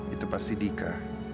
itu pasti dika